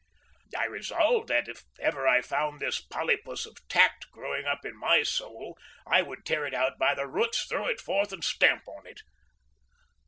I resolved that if ever I found this polypus of Tact growing up in my soul, I would tear it out by the roots, throw it forth and stamp on it.